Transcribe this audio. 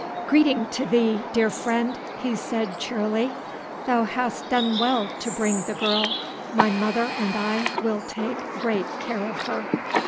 "Greeting to thee, dear friend," he said cheerily. "Thou hast done well to bring the girl. My mother and I will take great care of her."